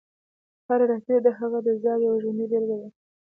هره راډیو د هغه د زیار یوه ژوندۍ بېلګې ده